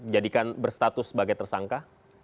jadikan berstatus sebagai tersangka